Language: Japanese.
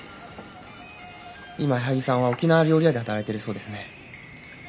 今矢作さんは沖縄料理屋で働いてるそうですね。